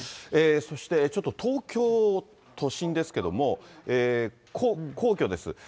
そしてちょっと東京都心ですけども、皇居です。